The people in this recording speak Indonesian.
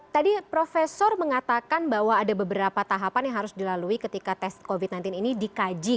tadi profesor mengatakan bahwa ada beberapa tahapan yang harus dilalui ketika tes covid sembilan belas ini dikaji